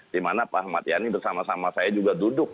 dimana pak ahmad yani bersama sama saya juga duduk